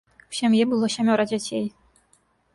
У сям'і было сямёра дзяцей.